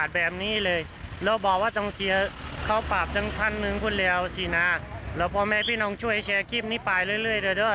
แล้วเราพอมาให้พี่น้องช่วยแชร์คลิปนี้ไปเรื่อยเดี๋ยวด้วย